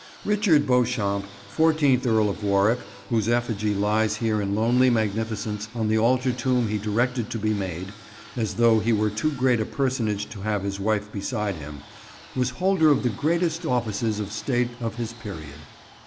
Richard Beauchamp, fourteenth Earl of Warwick, whose effigy lies here in lonely magnificence on the altar tomb he directed to be made, as though he were too great a personage to have his wife beside him, was holder of the greatest offices of State of his period.